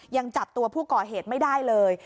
ยังจับตัวผู้ก่อเหตุไม่ได้เลย